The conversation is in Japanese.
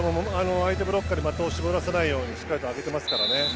相手ブロッカーに的を絞らせないようにしっかり上げていますからね。